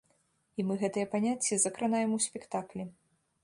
І мы гэтыя паняцці закранаем у спектаклі.